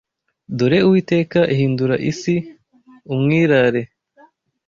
Dore Uwiteka ahindura isi umwirare